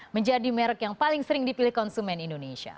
menjadi merek yang paling sering dipilih konsumen indonesia